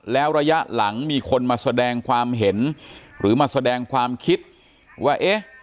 แล้วระยะหลังมีคนมาแสดงความเห็นหรือมาแสดงความคิดว่าเอ๊ะ